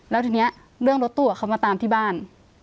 แล้วทีนี้เรื่องรถตู้กับเขามาตามที่บ้าน